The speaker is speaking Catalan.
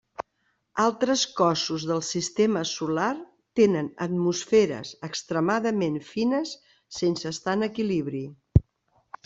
Altres cossos del sistema solar tenen atmosferes extremadament fines sense estar en equilibri.